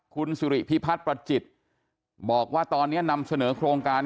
คุณสิริพิพัฒน์ประจิตบอกว่าตอนนี้นำเสนอโครงการ